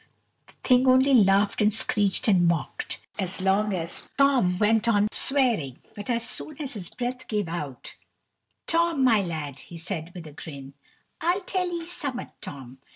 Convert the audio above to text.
The thing only laughed and screeched and mocked, as long as Tom went on swearing, but so soon as his breath gave out "Tom, my lad," he said with a grin, "I'll tell 'ee summat, Tom.